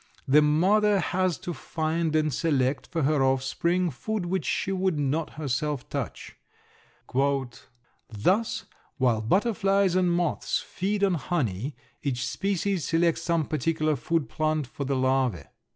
The mother has to find and select for her offspring food which she would not herself touch. "Thus while butterflies and moths feed on honey, each species selects some particular food plant for the larvæ.